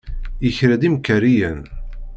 Yekra-d imkariyen.